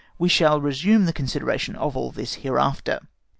We shall resume the consideration of all this hereafter.